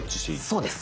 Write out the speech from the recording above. そうです。